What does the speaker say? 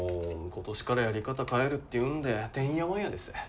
今年からやり方変えるっていうんでてんやわんやです。